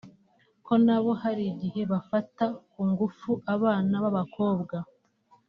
ko nabo hari igihe bafata ku ngufu abana b’abakobwa